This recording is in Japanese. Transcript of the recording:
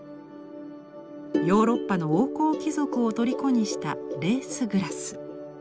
ヨーロッパの王侯貴族をとりこにしたレース・グラス。